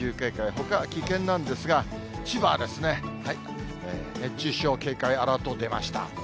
ほか危険なんですが、千葉はですね、熱中症警戒アラート、出ました。